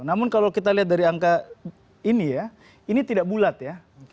namun kalau kita lihat dari angka ini ya ini tidak bulat ya